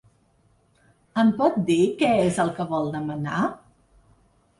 Em pot dir què és el que vol demanar?